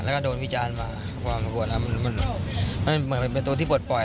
แล้วก็โดนวิจารณ์มาก็เป็นตัวที่ปลดปล่อย